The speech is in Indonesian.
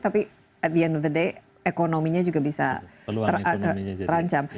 tapi pada akhirnya ekonominya juga bisa terancam